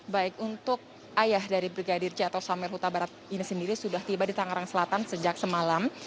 baik untuk ayah dari brigadir j atau samir huta barat ini sendiri sudah tiba di tangerang selatan sejak semalam